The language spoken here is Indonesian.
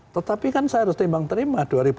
tetapi kan saya harus timbang terima